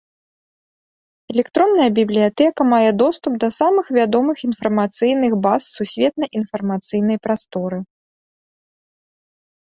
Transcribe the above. Электронная бібліятэка мае доступ да самым вядомым інфармацыйных баз сусветнай інфармацыйнай прасторы.